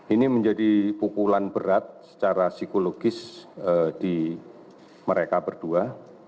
ini menjadi pukulan berat secara psikologis di mereka berdua